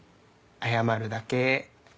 謝るだけー。